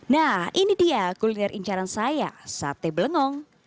nah ini dia kuliner incaran saya sate belengong